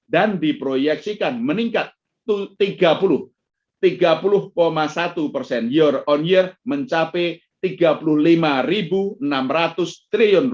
dan diproyeksikan meningkat tiga puluh satu persen year on year mencapai rp tiga puluh satu persen year on year